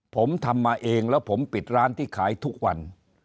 ผมทำมาเองแล้วผมปิดร้านที่ขายทุกวัน